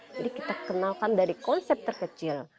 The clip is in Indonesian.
jadi kita kenalkan dari konsep terkecil